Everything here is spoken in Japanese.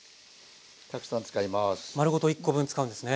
丸ごと１コ分使うんですね。